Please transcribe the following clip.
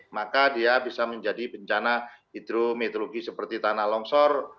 maka dia bisa menjadi bencana hidrometeorologi seperti tanah longsor